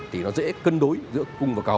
thì nó dễ cân đối giữa cung và cầu